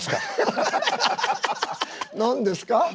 何ですか。